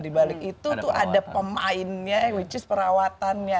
di balik itu tuh ada pemainnya which is perawatannya